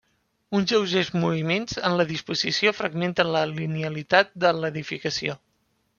Uns lleugers moviments en la disposició fragmenten la linealitat de l'edificació.